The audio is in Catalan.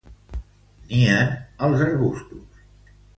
Nien als arbustos.